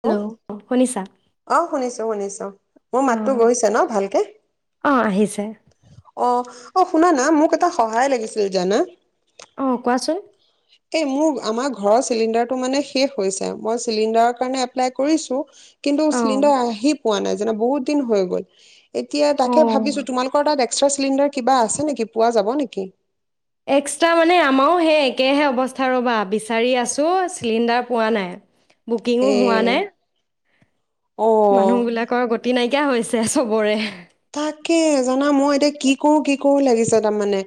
Hello শুনিছা, অ', শুনিছো, শুনিছো, মোৰ অ', মাতটো গৈছে ন ভালকে। অ', অ', আহিছে অ', শুনা না, মোক এটা সহায় লাগিছিল জানা। অ'হ, কোৱাচোন। এই মোৰ আমাৰ ঘৰৰ চিলিণ্ডাৰটো মানে শেষ হৈছে, মই চিলিণ্ডাৰৰ কাৰণে এপ্লাই কৰিছো। কিন্তু অ', চিলিণ্ডাৰ আহি পোৱা নাই জানা, বহুত দিন হৈ গ'ল। এতিয়া তাকে ভাবিছো অ', তোমালোকৰ টাত দেখ। এক্সট্ৰা চিলিণ্ডাৰ কিবা আছে নেকি? পোৱা যাব নেকি? এক্সট্ৰা মানে আমাৰো সেই একেহে অৱস্থা ৰ'বা, বিচাৰি আছোঁ চিলিণ্ডাৰ পোৱা নাই। বুকিঙো এ হোৱা নাই, অ মানুহ বিলাকৰ গতি নাই। শিকীয়া হৈছে চবৰে। তাকে, জানা মই এতিয়া কি কৰো, কি কৰো লাগিছে তাৰমানে।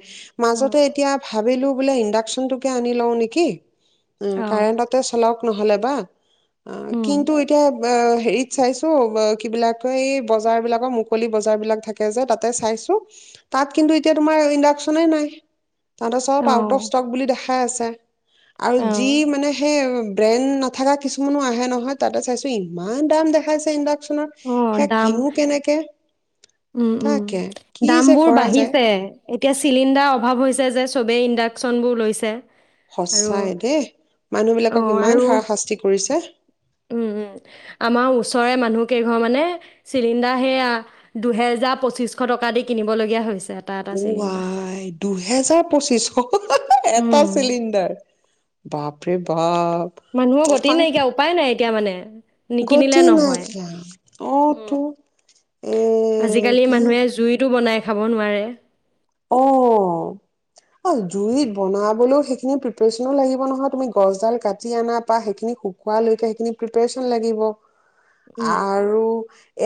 মাজতে অ', এতিয়া ভাবিলো, বোলে ইণ্ডাকচনটোকে আনি লওঁ নিকি। উ' অ' কাৰেণ্টতে চলাওঁক। নহ'লে বা, অ', উম, কিন্তু এতিয়া অ হেৰিত চাইছো, কিবিলাক ক এই বজাৰ বিলাকৰ মুকলি, বজাৰবিলাক থাকে যে তাতে চাইছো, তাত কিন্তু এতিয়া ইণ্ডাকচনে নাই। তাহাঁতে চব আউট অফ অ', ষ্টক বুলি দেখাই আছে। আৰু যি অ', মানে সেই ব্ৰেণ্ড, থকা কিছুমানো আহে নহয়, তাতে চাইছো ইমান দাম দেখাইছে ইণ্ডাক অ', সেয়া দাম কিনো কেনেকে? উম উম তাকে কি দাম যে বোৰ কৰা যায় বাঢ়িছে, এতিয়া চিলিণ্ডাৰ অভাৱ হৈছে যে চবেই ইণ্ডাকচন বোৰ লৈছে আৰু সচাই দেই মানুহ বিলাকক অ', ইমান আৰু হাৰা শাস্তি কৰিছে উম আমাৰ ওচৰে মানুহ কেইঘৰ মানে চিলিণ্ডাৰ সেয়া দুহেজাৰ পঁচিশশ টকা দি কিনিবলগীয়া হৈছে এটা এটা চিলিণ্ডাৰ আই দুহেজাৰ পঁচিছশ এটা উম চিলিণ্ডাৰ বাপ বাপ ৰে বাপ মানুহৰ গতি সখন নাইকিয়া উপায় নাই এতিয়া মানে নিকিনিলে গতি নহয় নাইকিয়া অ উম তো এ আজিকালি কি মানুহে জুইতো বনাই খাব নোৱাৰে অ জুইত বনাবলৈও সেইখিনি প্ৰিপাৰেচন লাগিব নহয় তুমি গছডাল কাটি অনাৰ পৰা সেইখিনি শুকুৱালৈকে সেইখিনি প্ৰিপাৰেচন লাগিব উম আৰু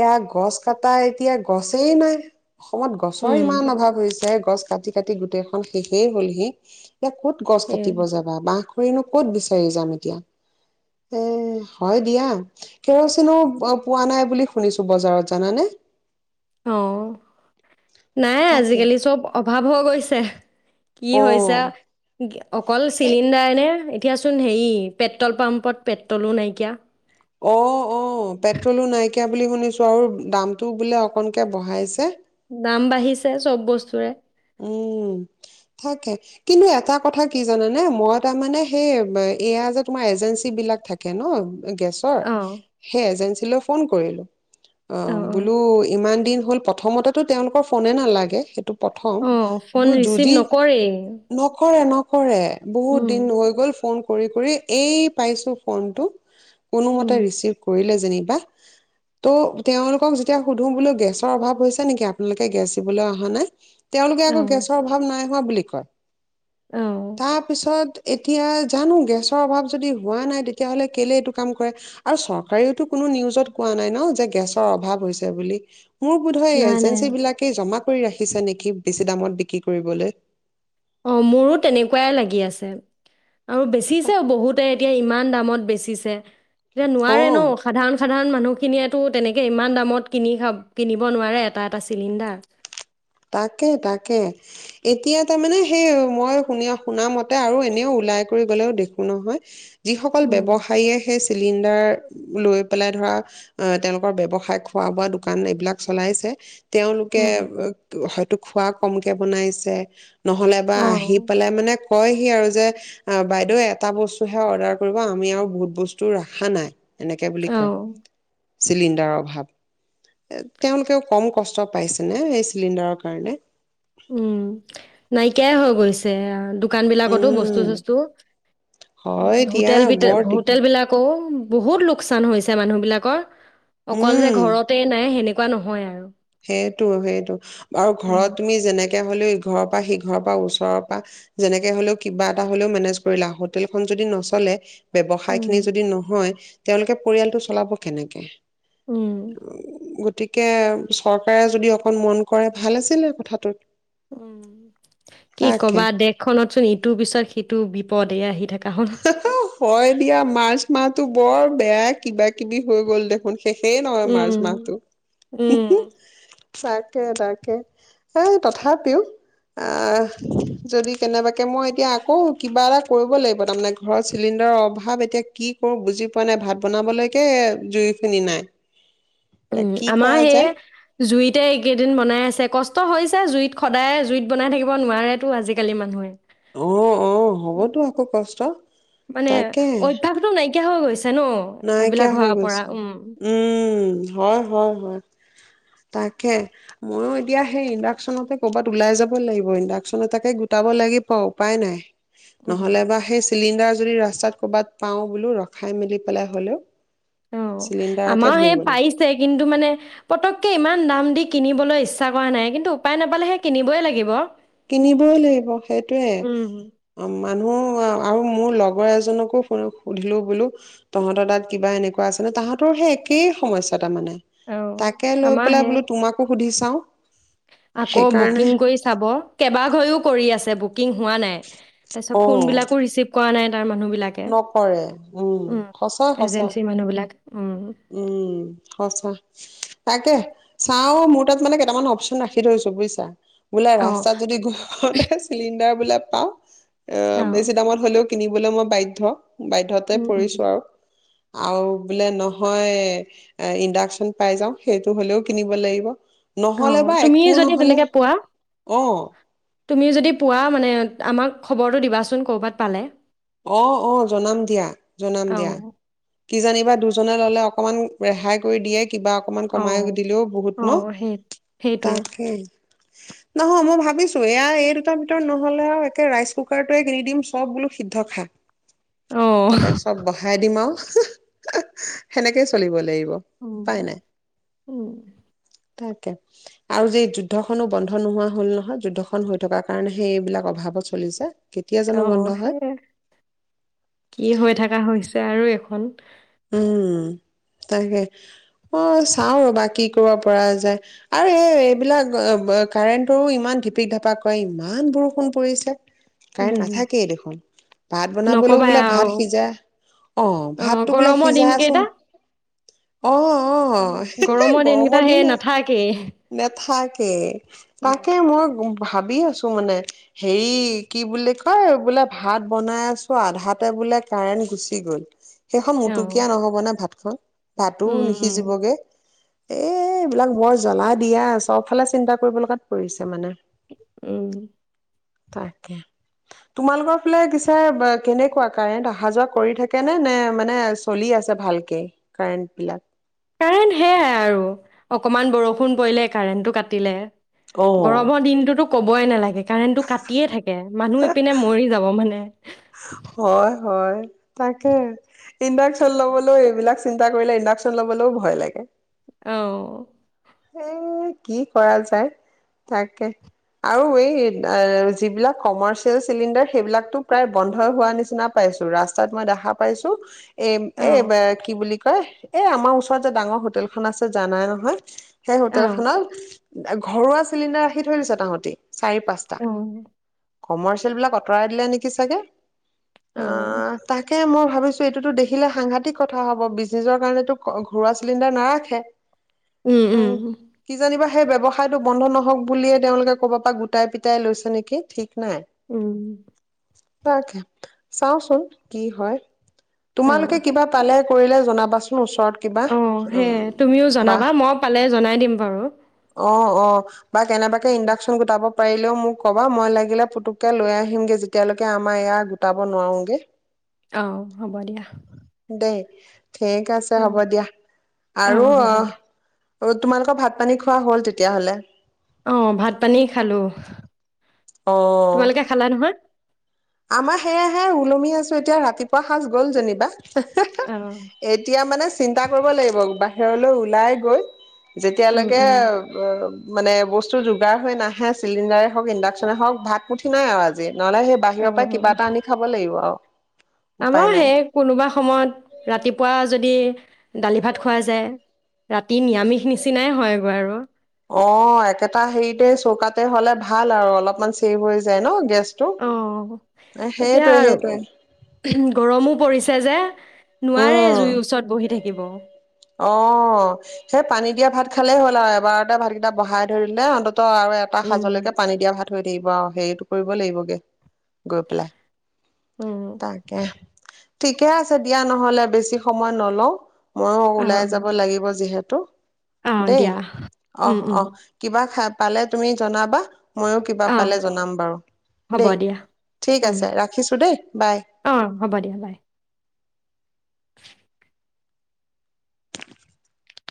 এয়া গছ কটা এতিয়া গছেই নাই অসমত গছৰ উম ইমান অভাৱ হৈছে এয়াই গছ কাটি কাটি গোটেইখন শেষেই হ'লহি এতিয়া ক'ত গছ সেয়াই কাটিব যাবা বাহ কত বিচাৰি যাম এতিয়া হয় দিয়া [inaudible] আহ নাই তাকে আজিকালি চব ভাৱ হৈ গৈছে কি অ হৈছে অকল এ চিলিণ্ডাৰ নে উঠিয়াচোন হেৰি পেট্ৰল পাম্পত পেট্ৰলো নাইকিয়া অ অ পেট্ৰলো নাই নাইকীয়া বুলি শুনিছোঁ আৰু দামটো বোলে অকণকৈ বঢ়াইছে দাম বাঢ়িছে চব বস্তুৰে উম থাকে কিন্তু এটা কথা কি জানানে মই তাৰমানে সেই এয়া যে তোমাৰ এজেঞ্চী বিলাক থাকে ন গেছৰ অ সেই এজেঞ্চ ফোন কৰিলো অ বোলো ইমান দিন হল প্ৰথমতে তেওঁলোকৰ ফোনে নালাগে সেইটো অ', ফোন থ'ম ৰিচিভ যুঁজি, নকৰেই। নকৰে ন কৰে। বহুত উম, দিন হৈ গ'ল ফোন কৰি, কৰি এই পাইছো ফোনটো কোনোমতে উম, ৰিচিভ কৰিলে যেনিবা ত' তেওঁলোকক যেতিয়া সুধো বোল গেছৰ অভাৱ নেকি আপোনালোকে গেছ দিবলৈ অহা নাই। তেওঁলোকে আকৌ অ', গেছৰ অভাৱ নাই বুলি লি কয়। অ', তাৰ পিছত এতিয়া জানো গেছৰ অভাৱ যদি হোৱা নাই তেতিয়াহ'লে কেলে এইটো কাম কৰে আৰু চৰকাৰেওতো কোনো নিউজত কোৱা নাই ন' যে গেছৰ অভাৱ হৈছে বুলি। মোৰ বোধহয় নাই, নাই, এজেঞ্চী বিলাকে জমা কৰি ৰাখিছে নেকি। বেছি দামত বিক্ৰী কৰিবলৈ। অ', মোৰো তেনেকুৱাই লাগি আছে। আৰু বেছিছে বহুতে এতিয়া ইমান দামত বেচিছে। এতিয়া নোৱাৰে অ ন' সাধাৰণ, সাধাৰণ মানুহ মানুহখিনিয়ে তেনেকে ইমান দামত কিনি কিনিব নোৱাৰে এটা এটা চিলিণ্ডাৰ। তাকে, তাকে এতিয়া তাৰমানে সেই মই শুন-শুনা মতে আৰু এনেও ওলাই কৰি গ'লেও দেখো নহয়। যিসকল উম, ব্যৱসায়ীয়েহে চিলিণ্ডাৰ লৈ পেলাই ধৰা অহ, তেওঁলোকৰ ব্যৱসায় খোৱা বোৱা দোকান এইবিলাক চলাইছে তেওঁলোকে উম, হয়তো খোৱা কমকে বনাইছে। নহ'লে বা আহি অ', পেলাই মানে কয় সি আৰু যে বাইদেউ এটা বস্তুহে অৰ্ডাৰ কৰিব আমি আৰু বহুত বস্তু ৰখা নাই। এনেকে বুলি কয়। অ', চিলিণ্ডাৰৰ অভাৱ এ তেওঁলোকেও কম কষ্ট পাইছেনে। চিলিণ্ডাৰৰ কাৰণে উম, নাইকিয়াই হৈ গৈছে দু দোকান বিলাকতো বস্তু, উম চস্তু হয় দিয়া হোটেল বি বৰ দিগদ হোটেল বিলাকও বহুত লোকচান হৈছে মানুহবিলাকৰ। অকল যে উম ঘৰতে নাই সেনেক একোৱা নহয় আৰু। সেইটো, সেইটো আৰু ঘৰত উম। তুমি যেনেক তেনেকে হ'লেও ইঘৰৰ পৰা সি ঘৰৰ পৰা ওচৰ পৰা যেনেকে হ'লেও কিবা এটা হ'লেও মেনেজ কৰিলা হোটেল খন যদি নচলে ব্যৱসায় উম, খিনি যদি নহয় তেওঁলোকে পৰিয়ালটো চলাব কেনেকে উম, অ গতিকে চৰকাৰে যদি অকণ মন কৰে ভাল আছিলে কথাটোত উ কি তাকে কবা দেশখনতচোন ইটোৰ পিছত সেইটো বিপদে আহি থাকে হ হাও হয় দিয়া মাৰ্চ মাহাটো বৰ বেয়া কিবা কিবি হৈ গ'ল দেখোন শেষেই নহয় মাৰ্চ উম, মাহটো উম, তাকে তাকে এ তথাপিও আহ যদি কেনেবাকে মই এতিয়া আকৌ কিবা এটা কৰিব লাগিব তাৰ মানে ঘৰত চিলিণ্ডাৰৰ অভাৱ এতিয়া কি কৰো বুজি পোৱা নাই ভাত বনাবলৈকে জুইখিনি নাই এ উম, কি আমাৰ কৰা সেই যায় জুইতে এইকেইদিন বনাই আছে কষ্ট হৈছে জুইত সদায় জুইত বনাই থাকিব নোৱতো আজিকালি মানুহে আহ অ হ'বতো আকৌ কষ্ট মানে তাকে অভ্যাসটো নাইকিয়া হৈ গৈছে ন' এইবিলাক নাইকিয়া হৈ হোৱাৰ পৰা গৈছে উম, উম হয় হয় হয় তাকে ময়ো এতিয়া সেই ইণ্ডাক্যনতে কৰ'বাত ওলাই যাব লাগিব ইণ্ডাকচন এটাকে গোটাব লাগিব উপায় নাই উম। নহ'লে বা সেই চিলিণ্ডাৰ যদি ৰাস্তাত ক'ৰবাত পাওঁ বোলো ৰখাই মেলি পেলা হ'লেও অ চিলিণ্ডাৰকে আমাৰ ধৰি সেই গ'লো পাইছে কিন্তু মানে পতককে ইমান দাম দি কিনিবলৈ ইচ্ছা কৰা নাই কিন্তু উপায় নাপালেহে কিনিবই লাগিব কিনিবও লাগিব সেইটয়ে উম। অ মানুহ আহ আৰু মোৰ লগৰ এজনকো শুনো সুধিলো বোলো তহঁতৰ তাত কিবা এনেকুৱা আছে নে তাহাঁতৰ সেই একেই সমস্যাত মানে অ' তাকে লৈ আমাৰ পেলাই হে বোলো তোমাকো সুধি চাওঁ আকৌ সেইকাৰণে বুকিং কৰি চাব কেইবাঘৈ কৰি আছে বুকিং হোৱা নাই তাৰ পিছত অ ফোন বিলাকো ৰিচিভ কৰা নাই তাৰ মানুহবিলাকে। নকৰে উম সঁচা সঁচা এজেঞ্চিৰ মানুহবিলাক উম উম সঁচা তাকে চাও মোৰ তাত মানে কেইটামান অপশচন ৰাখি থৈছো বুজছা বোলে অ' ৰাস্তাত যদি ঘৰত আহে চিলিণ্ডাৰ বোলে পাওঁ অ বেছি দামত হ'লেও কিনিবলৈ মই বাধ্য থ বাধ্যয়তে উম উম। পৰিছো আৰু আৰু বোলে নহয় এ ইণ্ডাকচন পাই যাওঁ সেইটো হ'লেও কিনিব লাগিব নহলে অ' বা তুমি এককো যদি নহলে, তেনেকে পোৱা অঁ। তুমি যদি পোৱা মানে'এ, আমাক খবৰটো দিবাচোন, কৰ'বাত পালে। অ অ জনাম দিয়া, জনাম দিয়া। অ' কিজানিবা দুজনে ল'লে অকমান ৰেহাই কৰি দিয়ে কিবা অকমান কমাই অ' দিলেও বহুত ন! অ' সেই সেইটোৱে তাকেই! নহ, মই ভাবিছো, এয়া এই দুটাৰ ভিতৰত নহ'লে আউ আৰু একে ৰাইচ কুকাৰটোয়ে কিনি দিম চব বোলো ইদ্ধ খা অ'। তাতে চব বঢ়ায় দিম আউ, হুহ সেনেকেই চলিব লাগিব অ অ উপায় অ, নাই ও ও ও [unintelligible] তাকে, আৰু যে এই যুদ্ধসনো বন্ধ নোহোৱা হল নহয়, যুদ্ধসন হৈ থকা কাৰণেহে এইবিলাক অভাৱত চলিছে। কেতিয়া জানো অ', বন্ধ হয়? সেয়ে কি হৈ থাকা হৈছে আৰু এখন তাগে, অঁ চাওঁ ৰ'বা কি কৰিব পৰা যায়, আৰু এই এই এইবিলাক ব'ব কাৰেণ্টৰো ইমান ঢিপিক ঢাপাক কএ, ইমান বৰষুণ পৰিছে! কাৰেণ্ট উম। নাথাকেই দেসোন, ভাত বনাবলৈও নকবাই বোলে ভাত সিজা, অ' ভাত গৰম দিন কেইটা অ অ ও, গৰম দিনকিতা হেই নাথাকেই নেথাকেই। উম, তাকে মই গুম ভাবি আছো মানে, হেৰি কি বুলি কয়! বোলে ভাত বনাই আছো, আধাতে বোলে কাৰেণ্ গুচি গ'ল। সেইখন মোটুকীয়া অ', নহবনে ভাত হ? [unintelligible] ভাতোও উম, উম, নিসিজিবগে। এ এইবিলাক মই জ্বলাই দিয়া আও, চবফালে চিন্তা কৰিব লগাত পৰিছে মানে! [inaudible] উম। তাকে, তোমালোকৰ ফলে কিছে, ব কেনেকুৱা কাৰেণ্ট আহা যোৱা কৰি থাকে নে? নে মানে এ' চলি আছে ভালকে, কাৰেণ্ট বিলাক? কাৰেণ্ট সেয়াই আৰু। অকমান বৰষুণ পৰিলেই কাৰেনটো কাটিলে অ গৰম দিনটোতোক কবই নালাগে। কাৰেনটো কাটিয়ে থাকে এ'এ, মানহো ইপিনে মৰি যাব মানে! হয় হয়। তাকে, ইণ্ডাকচন লবলৈ এইবিলাক চ চিন্তা কৰিলে ইণ্ডাকশ্যন লবলও ভয় লাগে। অঁ। এ কি কৰা যায়, তাকে আৰু এই যিবিলাক কমাৰ্চিয়েল চিলিণ্ডাৰ সেইবিলাকতো প্ৰায় বন্ধ হোৱা নিচিনা পাইছো। ৰাস্তাত মই দেখা পাইছো। এ, এ অ', বা কি বুলি এ, আমাৰ ওচৰত যে ডাঙৰ হোটেলখন আছে জ নাই নহয়। সেই অ', হটেল অ', খোনাল ঘৰুৱা চিলিণ্ডাৰ ৰাখি থৈ দিছ তাহতি। চাৰি পাঁচটা। কমাৰ্চিয়েল বিলাক আঁতৰাই দিলে নেকি চাগে। অ, তাকে মোৰ। ভাবিছো এইটোতো দেখিলে সাংঘাতিক কথা হব। বিজনেচৰ কাৰণেতো ঘৰুৱা চিলিণ্ডাৰ নাৰাখ উম, উ উম, কি জানিবা। সেই ব ব্যৱসায়তো বন্ধ নহওক বুলিয়ে তেওঁলোকে ক'ব পৰা গোটাই পিটাই লৈছে নেকি ঠিক। নাই উম। তাকে চাওচোন কি হয়। অ'। তোমালোকে কিবা পালে? কৰিলে জনাবাচোন। ওচৰত কিবা, অ সেয়ে উম তুমিও জনাবা বাহ। মই পালে জনাই দিম বাৰু। অ', অ। বা কেনেবাকে ইণ্ডাকচন গোটাব। পাৰিলেও মোক ক'বা, মই লাগিলে পুতুককে লৈ আহিমগে। যেতিয়ালৈকে আমাৰ ইয়াৰ গোটাব নোৱাৰোগে। আহ, হ'ব দিয়া। [unintelligible] ঠিক আছে, উম, হ'ব দিয়া। অ আৰু হ'ব আহ। দিয়া অ, তোমালোকৰ ভাত পানী। খোৱা হ'ল তেতিয়াহ'লে। আহ ভাত পানী খালো। অ তোমালোকে খালা নহয়? আমাৰ সেয়াহে, ওলমি আছো। এতিয়া ৰাতিপুৱা সাজ গ'ল যেনিবা। অ এতিয়া মানে, চিন্তা কৰিব লাগিব বা ঘেৰলৈ ওলাই গৈ। উম যেতিয়ালৈকে। উম মানে বস্তু যোগাৰ হৈ নাহে! চিলিণ্ডাৰে হওঁক, ইণ্ডাক্চনে হওঁক ভাত মুঠি নাই আৰু আজি। নহলে সেই অ বাহিৰত‌‌ ত কিবা অ এটা আনি খাব লাগিব আৰু। উপায় আমাৰ নাই সেই কোনোবা সময়ত ৰাতিপুৱা যদি দালি ভাত খোৱাাই যায় ৰাতি নিৰামিষ নিচিনাই হয় আৰু। অঁ', একেটা হেৰিতে চৌকাতে হলে ভাল আৰু অলপমান চেভ হৈ যায় ন গেছটো। অ এতিয়া সেইটোৱে সেইটোৱে। গৰমো পৰিছে যে নোৱাৰে জুইৰ ওচৰত বহি থাকিব অঁ', সেই পানী দিয়া ভাত খালেই হ'ল আৰু এবাৰতে ভাতকেইটা বহাই ধৰিলে আৰু এটা উম সাজলৈকে পানী দিয়া ভাত হৈ দিব সেইৰিতটো কৰিব লাগিব গে। গৈ উম তাকাকে। ঠিকে আছে দিয়া নহ'লে বেছি সময় নলও মইো অ ওলাই অ যাব লাগিব যিহেতু ত। অ দেই দিয়া উম অঁ', উম অঁ', কিবা খাব পালে তুমি জনাবা। ময়ো কিবা অ পালে জনাম বাৰু হ'ব দেই দিয়া ঠিক আছে ৰাখিছোঁ দেই বাই। অ হ'ব দিয়া বাই [unintelligible]